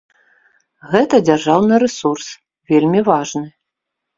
Гэта дзяржаўны рэсурс, вельмі важны.